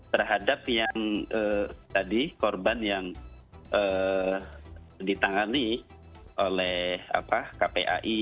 terhadap yang tadi korban yang ditangani oleh kpai